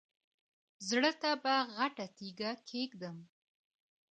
زړه ته به غټه تیګه کېږدم.